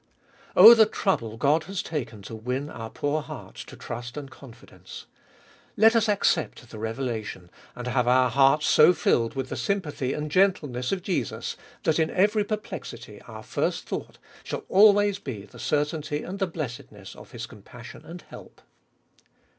1. Oh the trouble God has taken to win our poor hearts to trust and confidence. Let us accept the revelation, and have our hearts so filled with the sympathy and gentleness of Jesus, that in every perplexity our first thought shall always be the certainty and the blessedness of His compassion and help.